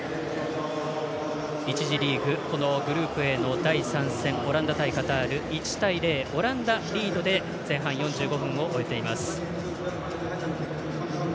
１次リーググループＡの第３戦、オランダ対カタール１対０、オランダリードで前半４５分を終えています。